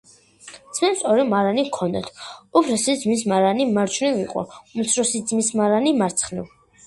ძმებს ორი მარანი ჰქონდათ. უფროსი ძმის მარანი მარჯვნივ იყო, უმცროსი ძმის მარანი — მარცხნივ.